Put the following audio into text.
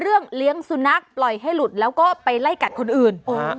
เลี้ยงสุนัขปล่อยให้หลุดแล้วก็ไปไล่กัดคนอื่น